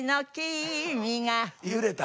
「揺れた」。